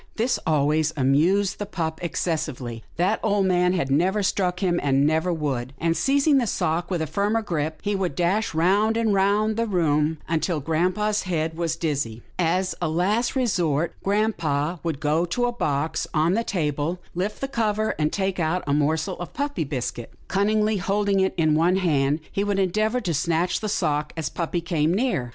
" This always amused the pup excessively. That old man had never struck him, and never would, and, seizing the sock with a firmer grip, he would dash round and round the room until grampa's head was dizzy. As a last resort, grampa would go to a box on the table, lift the cover, and take out a morsel of puppy biscuit. Cunningly holding it in one hand, he would endeavour to snatch the sock, as puppy came near.